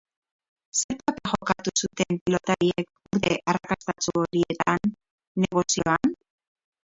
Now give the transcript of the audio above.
Zer paper jokatu zuten pilotariek urte arrakastatsu horietan, negozioan?